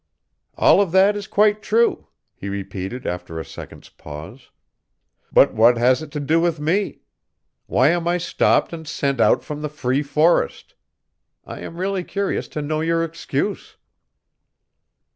"All of that is quite true," he repeated after a second's pause; "but what has it to do with me? Why am I stopped and sent out from the free forest? I am really curious to know your excuse."